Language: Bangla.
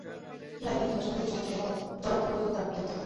টিআইবি কিংবা সুজন যদি সমালোচিত হয়, জবাব কিংবা কৈফিয়ত দেওয়ার দায়িত্ব তাদের।